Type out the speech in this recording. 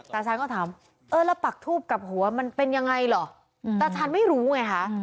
ตาชาญก็ถามเออแล้วปักทูบกับหัวมันเป็นยังไงเหรอตาชาญไม่รู้ไงคะ